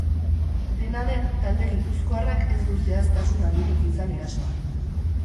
Dena den, talde gipuzkoarrak ez du zehaztasun handirik izan erasoan.